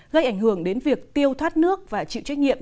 gây ảnh hưởng đến việc tiêu thoát nước và chịu trách nhiệm